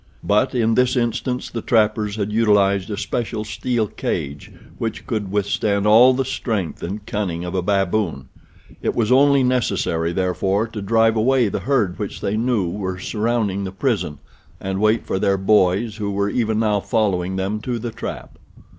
But in this instance the trappers had utilized a special steel cage which could withstand all the strength and cunning of a baboon. It was only necessary, therefore, to drive away the herd which they knew were surrounding the prison and wait for their boys who were even now following them to the trap.